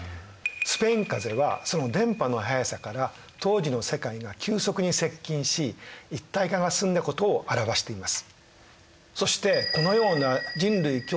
スペインかぜはその伝ぱの早さから当時の世界が急速に接近し一体化が進んだことを表しています。